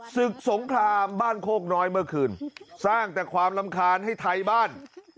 สงครามบ้านโคกน้อยเมื่อคืนสร้างแต่ความรำคาญให้ไทยบ้าน